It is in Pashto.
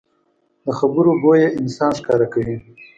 د خبرو بویه انسان ښکاره کوي